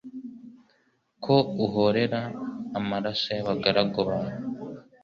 ko uhorera amaraso y’abagaragu bawe